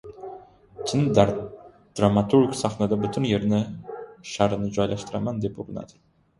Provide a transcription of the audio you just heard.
Chin dramaturg sahnada butun yer sharini joylashtiraman deb urinadi.